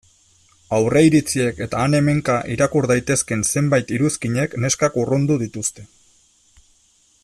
Aurreiritziek eta han-hemenka irakur daitezkeen zenbait iruzkinek neskak urrundu dituzte.